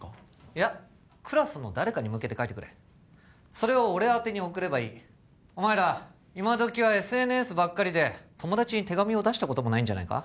いやクラスの誰かに向けて書いてくれそれを俺宛てに送ればいいお前ら今どきはＳＮＳばっかりで友達に手紙を出したこともないんじゃないか？